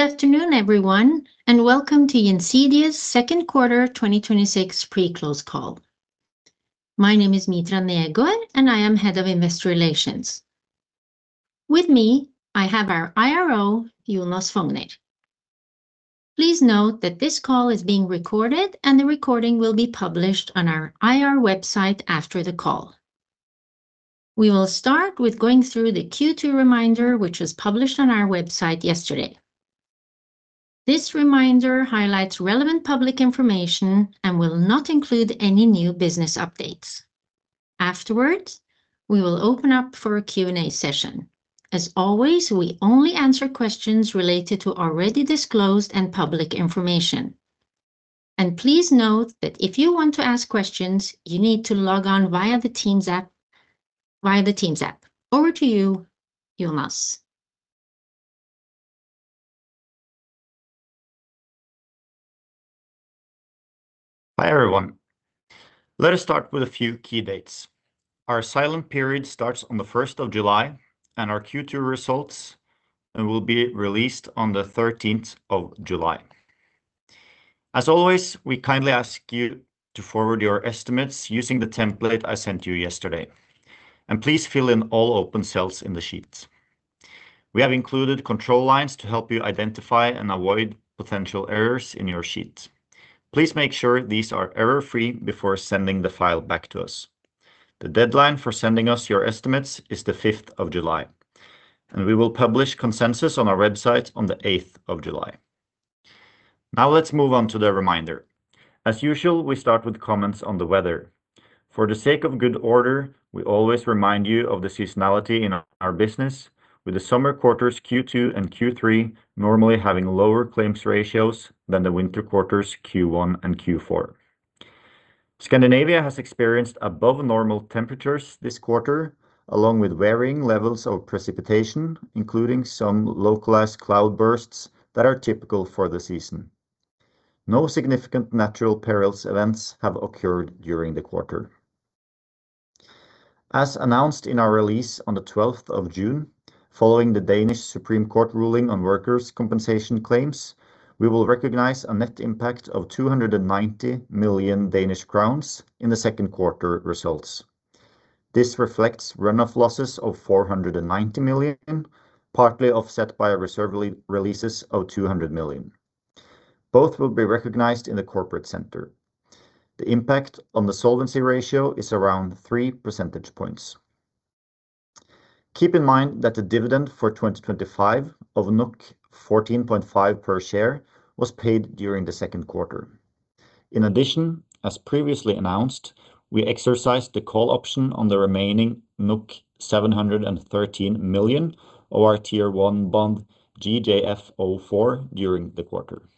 Good afternoon, everyone, and welcome to Gjensidige's second quarter 2026 pre-close call. My name is Mitra Negård, and I am Head of Investor Relations. With me, I have our IRO, Jonas Fougner. Please note that this call is being recorded, and the recording will be published on our IR website after the call. We will start with going through the Q2 reminder, which was published on our website yesterday. This reminder highlights relevant public information and will not include any new business updates. Afterwards, we will open up for a Q&A session. As always, we only answer questions related to already disclosed and public information. Please note that if you want to ask questions, you need to log on via the Teams app. Over to you, Jonas. Hi, everyone. Let us start with a few key dates. Our silent period starts on the 1st of July, and our Q2 results will be released on the 13th of July. As always, we kindly ask you to forward your estimates using the template I sent you yesterday. Please fill in all open cells in the sheets. We have included control lines to help you identify and avoid potential errors in your sheets. Please make sure these are error-free before sending the file back to us. The deadline for sending us your estimates is the 5th of July, and we will publish consensus on our website on the 8th of July. Let's move on to the reminder. As usual, we start with comments on the weather. For the sake of good order, we always remind you of the seasonality in our business with the summer quarters Q2 and Q3 normally having lower claims ratios than the winter quarters Q1 and Q4. Scandinavia has experienced above normal temperatures this quarter, along with varying levels of precipitation, including some localized cloud bursts that are typical for the season. No significant natural perils events have occurred during the quarter. As announced in our release on the 12th of June, following the Supreme Court of Denmark ruling on workers' compensation claims, we will recognize a net impact of 290 million Danish crowns in the second quarter results. This reflects run-off losses of 490 million, partly offset by reserve releases of 200 million. Both will be recognized in the corporate center. The impact on the solvency ratio is around 3 percentage points. Keep in mind that the dividend for 2025 of 14.5 per share was paid during the second quarter. In addition, as previously announced, we exercised the call option on the remaining 713 million of our Tier 1 bond, GJF04, during the quarter.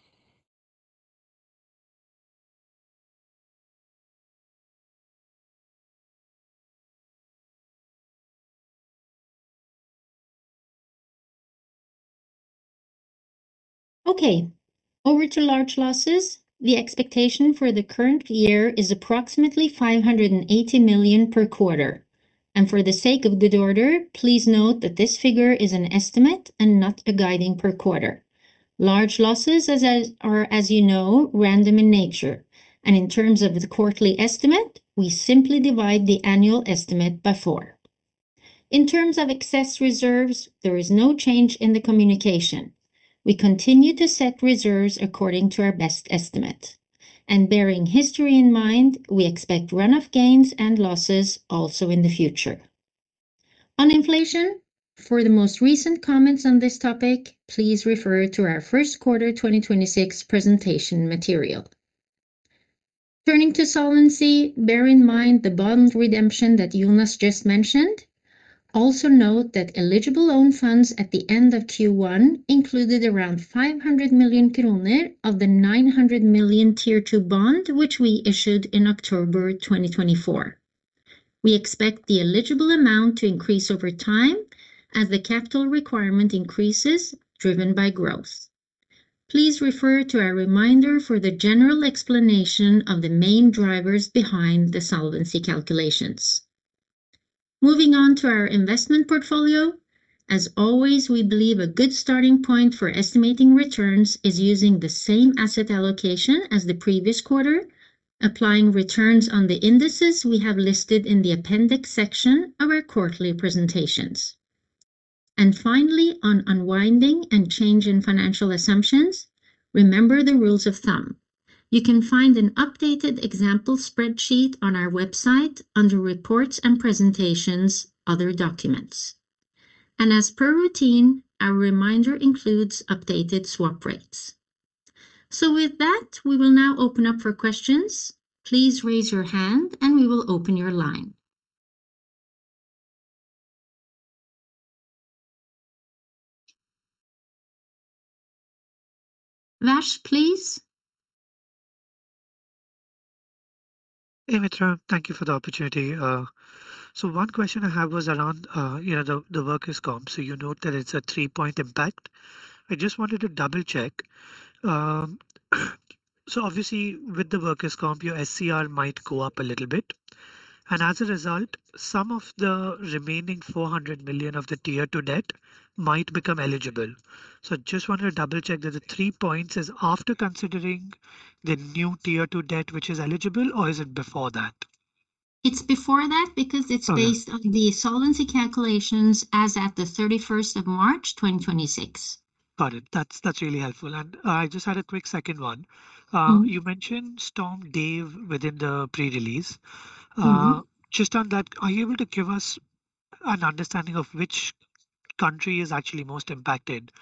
Over to large losses. The expectation for the current year is approximately 580 million per quarter. For the sake of good order, please note that this figure is an estimate and not a guiding per quarter. Large losses are, as you know, random in nature, and in terms of the quarterly estimate, we simply divide the annual estimate by four. In terms of excess reserves, there is no change in the communication. We continue to set reserves according to our best estimate. Bearing history in mind, we expect run-off gains and run-off losses also in the future. On inflation, for the most recent comments on this topic, please refer to our first quarter 2026 presentation material. Turning to solvency, bear in mind the bond redemption that Jonas just mentioned. Note that eligible own funds at the end of Q1 included around 500 million kroner of the 900 million Tier 2 bond, which we issued in October 2024. We expect the eligible amount to increase over time as the capital requirement increases, driven by growth. Please refer to our reminder for the general explanation of the main drivers behind the solvency calculations. Moving on to our investment portfolio. We believe a good starting point for estimating returns is using the same asset allocation as the previous quarter, applying returns on the indices we have listed in the appendix section of our quarterly presentations. Finally, on unwinding and change in financial assumptions, remember the rules of thumb. You can find an updated example spreadsheet on our website under Reports and Presentations, Other Documents. As per routine, our reminder includes updated swap rates. With that, we will now open up for questions. Please raise your hand and we will open your line. Vash, please. Hey, Mitra. Thank you for the opportunity. One question I have was around the workers' comp. You note that it's a 3-point impact. I just wanted to double-check. Obviously with the workers' comp, your SCR might go up a little bit, and as a result, some of the remaining 400 million of the Tier 2 debt might become eligible. Just wanted to double-check that the 3 points is after considering the new Tier 2 debt, which is eligible, or is it before that? It's before that because it's based on the solvency calculations as at the 31st of March 2026. Got it. That's really helpful. I just had a quick second one. You mentioned Storm Dave within the pre-release. Just on that, are you able to give us an understanding of which country is actually most impacted?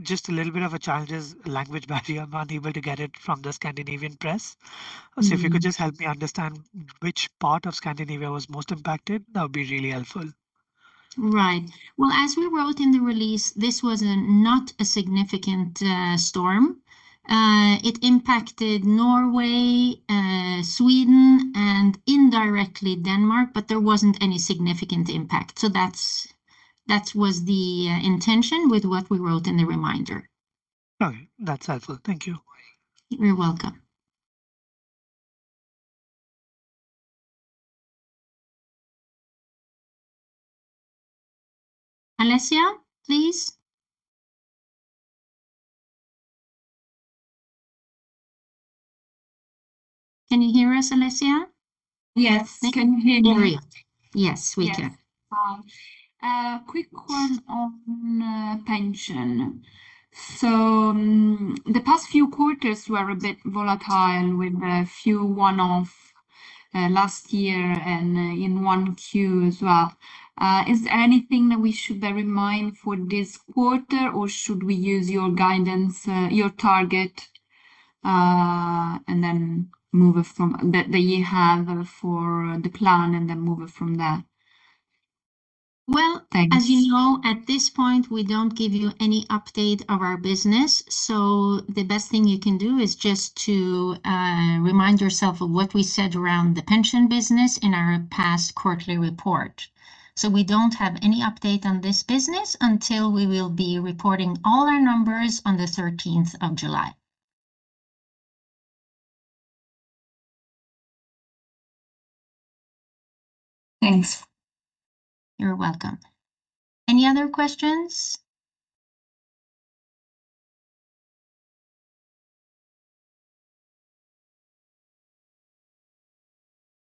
Just a little bit of a challenge is language barrier. I'm unable to get it from the Scandinavian press. If you could just help me understand which part of Scandinavia was most impacted, that would be really helpful. As we wrote in the release, this was not a significant storm. It impacted Norway, Sweden, and indirectly Denmark, but there wasn't any significant impact. That was the intention with what we wrote in the reminder. That's helpful. Thank you. You're welcome. Alessia, please. Can you hear us, Alessia? Yes. Can you hear me? Yes, we can. A quick one on pension. The past few quarters were a bit volatile with a few one-off last year and in 1Q as well. Is there anything that we should bear in mind for this quarter, or should we use your guidance, your target that you have for the plan and then move it from there? Thanks. Well, as you know, at this point, we don't give you any update of our business. The best thing you can do is just to remind yourself of what we said around the pension business in our past quarterly report. We don't have any update on this business until we will be reporting all our numbers on the 13th of July. Thanks. You're welcome. Any other questions?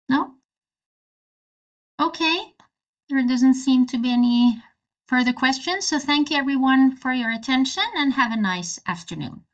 No? Okay. There doesn't seem to be any further questions. Thank you everyone for your attention and have a nice afternoon.